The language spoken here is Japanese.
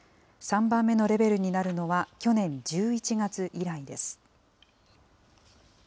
３番目のレベルになるのは、去年１１月以来です。